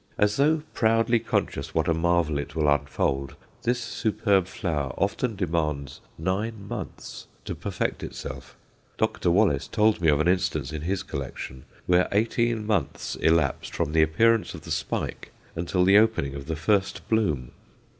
As though proudly conscious what a marvel it will unfold, this superb flower often demands nine months to perfect itself. Dr. Wallace told me of an instance in his collection where eighteen months elapsed from the appearance of the spike until the opening of the first bloom.